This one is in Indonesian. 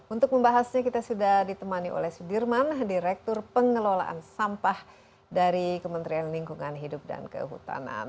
untuk membahasnya kita sudah ditemani oleh sudirman direktur pengelolaan sampah dari kementerian lingkungan hidup dan kehutanan